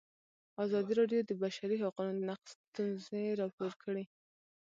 ازادي راډیو د د بشري حقونو نقض ستونزې راپور کړي.